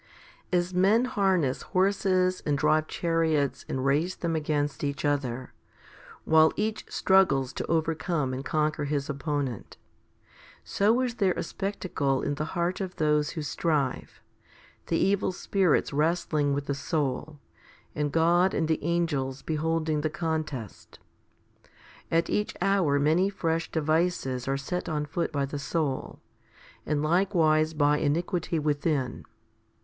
5. As men harness horses and drive chariots and race them against each other, while each struggles to overcome and conquer his opponent, so is there a spectacle in the heart of those who strive, the evil spirits wrestling with the soul, and God and the angels beholding the contest. At each hour many fresh devices are set on foot by the soul, and likewise by iniquity within.